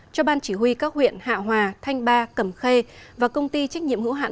cho ban chỉ huy các huyện hạ hòa thanh ba cầm khê và công ty trách nhiệm hữu hạn